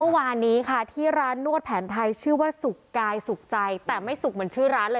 เมื่อวานนี้ค่ะที่ร้านนวดแผนไทยชื่อว่าสุกกายสุขใจแต่ไม่สุกเหมือนชื่อร้านเลย